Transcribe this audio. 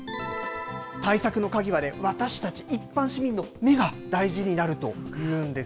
対策の鍵はね、私たち一般市民の目が大事になるというんです。